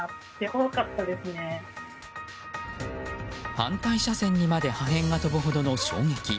反対車線にまで破片が飛ぶほどの衝撃。